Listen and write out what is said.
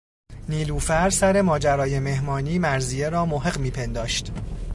نیلوفر سر ماجرای مهمانی، مرضیه را محق میپنداشت